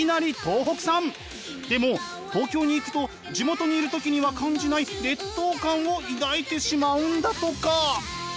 でも東京に行くと地元にいる時には感じない劣等感を抱いてしまうんだとか。